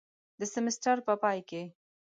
د سیمیستر په پای کې